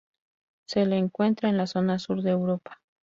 Se la encuentra en la zona sur de Europa.